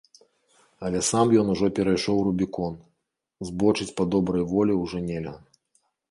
Але сам ён ужо перайшоў рубікон, збочыць па добрай волі ўжо нельга.